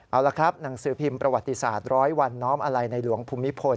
เอาละครับหนังสือพิมพ์ประวัติศาสตร์ร้อยวันน้อมอะไรในหลวงภูมิพล